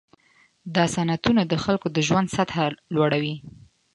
دا صنعتونه د خلکو د ژوند سطحه لوړوي.